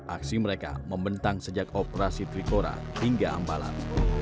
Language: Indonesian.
aksi mereka membentang sejak operasi trikora hingga ambalan